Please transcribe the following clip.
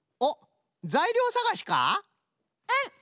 うん。